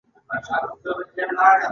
هغه فکرونه چې د ټولنې په ګټه وي عقلانیت دی.